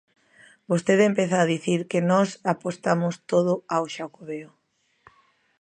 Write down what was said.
Vostede empeza a dicir que nós apostamos todo ao Xacobeo.